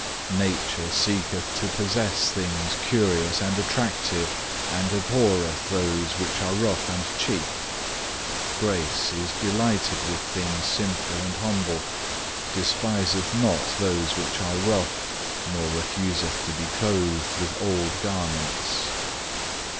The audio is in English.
8. "Nature seeketh to possess things curious and attractive, and abhorreth those which are rough and cheap; Grace is delighted with things simple and humble, despiseth not those which are rough, nor refuseth to be clothed with old garments.